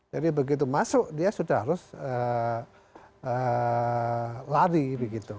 jadi begitu masuk dia sudah harus lari begitu